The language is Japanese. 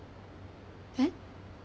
えっ？